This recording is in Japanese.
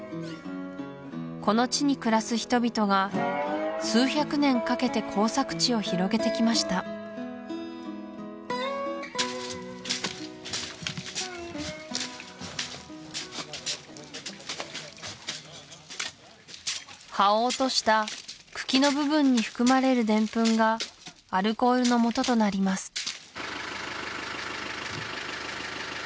この地に暮らす人々が数百年かけて耕作地を広げてきました葉を落とした茎の部分に含まれるデンプンがアルコールのもととなります